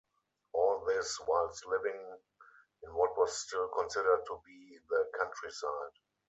All this, whilst living in what was still considered to be the countryside.